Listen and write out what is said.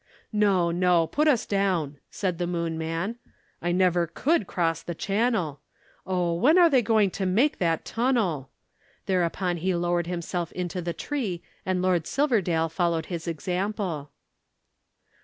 "No, no, put us down," said the Moon man. "I never could cross the Channel. Oh, when are they going to make that tunnel?" Thereupon he lowered himself into the tree, and Lord Silverdale followed his example.